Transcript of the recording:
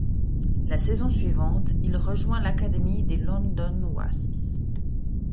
La saison suivante, il rejoint l'académie des London Wasps.